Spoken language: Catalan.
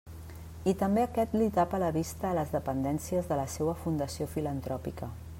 I també aquest li tapa la vista a les dependències de la seua fundació filantròpica.